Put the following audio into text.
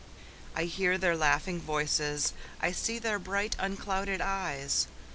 I hear their laughing voices, I see their bright, unclouded eyes.